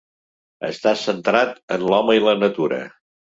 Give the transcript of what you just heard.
Està centrat en l'home i la natura.